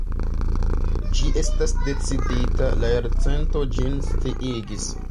Ĝi estas decidita: _La Jarcento_ ĝin sciigis.